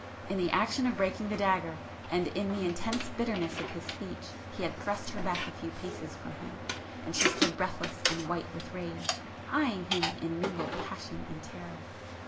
In the action of breaking the dagger, and in the intense bitterness of his speech he had thrust her back a few paces from him, and she stood breathless and white with rage, eyeing him in mingled passion and terror.